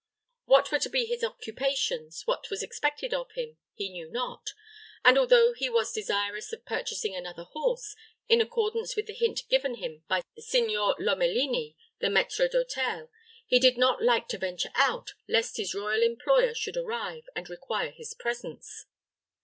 What were to be his occupations, what was expected of him, he knew not; and although he was desirous of purchasing another horse, in accordance with the hint given him by Signor Lomelini, the maître d'hôtel, he did not like to venture out, lest his royal employer should arrive, and require his presence.